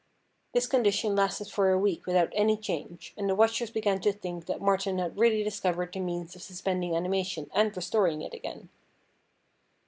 This condition lasted for a week without any change, and the watchers began to think that Martin had really discovered the means of suspending animation and restoring it again.